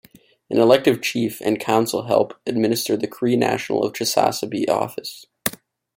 An elected Chief and Council help administer the Cree Nation of Chisasibi Office.